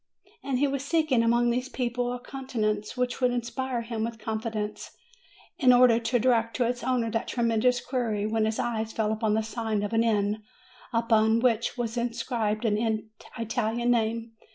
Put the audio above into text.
And he was seeking, among all these people, a countenance which should inspire him with confidence, in order to direct to its owner that tremendous query, when his eyes fell upon the sign of an inn upon which was inscribed an Italian name.